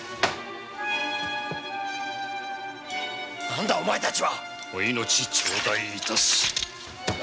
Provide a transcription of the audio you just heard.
何だお前たちはお命ちょうだい！